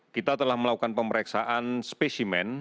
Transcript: kita telah melakukan pemeriksaan spesimen